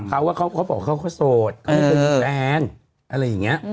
เขาบอกเขาก็โสดเขาไม่เคยมีแฟนอะไรอย่างนี้